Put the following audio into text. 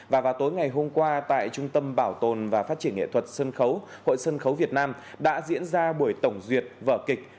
và vào tối ngày hôm qua tại trung tâm bảo tồn và phát triển nghệ thuật sân khấu hội sân khấu việt nam đã diễn ra buổi tổng duyệt vở kịch